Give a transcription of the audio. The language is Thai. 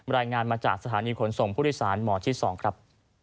รายงานมาจากสถานีขนส่งผู้โดยสารหมอที่๒ครับ